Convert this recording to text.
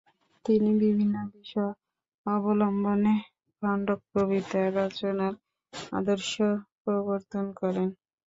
তিনি বিভিন্ন বিষয় অবলম্বনে খন্ডকবিতা রচনার আদর্শ প্রবর্তন করেন।